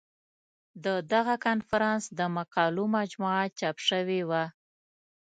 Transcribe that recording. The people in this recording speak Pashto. د دغه کنفرانس د مقالو مجموعه چاپ شوې وه.